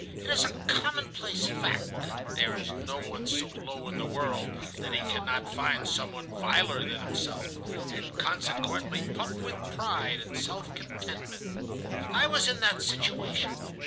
It is a commonplace fact that there is no one so low in the world that he cannot find some one viler than himself, and consequently puff with pride and self contentment. I was in that situation.